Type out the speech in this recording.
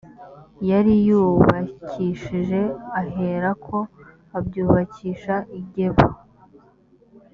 yari yubakishije aherako abyubakisha i geba